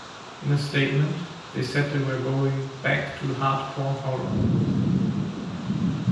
In a statement, they said they were "going back to hard-core horror".